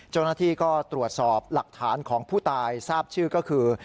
เจ้าหน้าที่ก็ตรวจสอบหลักฐานของผู้ตายทราบชื่อก็คือ